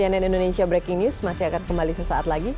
cnn indonesia breaking news masih akan kembali sesaat lagi